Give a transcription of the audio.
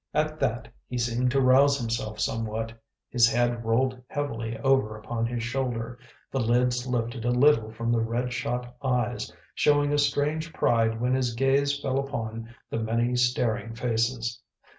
At that he seemed to rouse himself somewhat: his head rolled heavily over upon his shoulder, the lids lifted a little from the red shot eyes, showing a strange pride when his gaze fell upon the many staring faces.